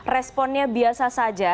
responnya biasa saja